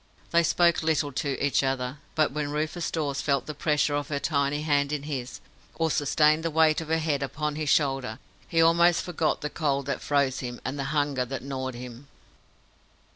They spoke little to each other, but when Rufus Dawes felt the pressure of her tiny hand in his, or sustained the weight of her head upon his shoulder, he almost forgot the cold that froze him, and the hunger that gnawed him.